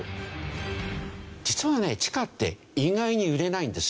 実はね地下って意外に揺れないんですよ。